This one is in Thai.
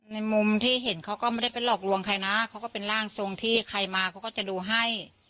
ในมุมที่เห็นเขาก็ไม่ได้ไปหลอกลวงใครนะเขาก็เป็นร่างทรงที่ใครมาเขาก็จะดูให้